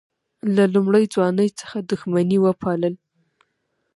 له لومړۍ ځوانۍ څخه دښمني وپالل.